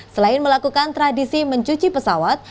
selain melakukan tradisi mencuci pesawat